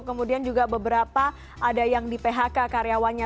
kemudian juga beberapa ada yang di phk karyawannya